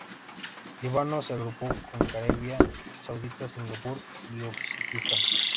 Líbano se agrupó con Arabia Saudita, Singapur y Uzbekistán.